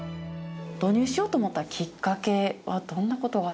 導入しようと思ったきっかけはどんなことが。